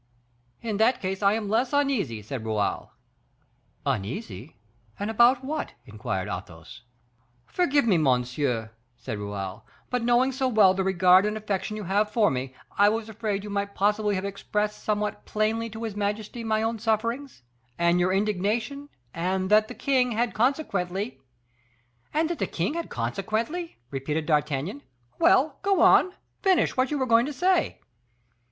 "In that case, I am less uneasy," said Raoul. "Uneasy and about what?" inquired Athos. "Forgive me, monsieur," said Raoul, "but knowing so well the regard and affection you have for me, I was afraid you might possibly have expressed somewhat plainly to his majesty my own sufferings and your indignation, and that the king had consequently " "And that the king had consequently?" repeated D'Artagnan; "well, go on, finish what you were going to say."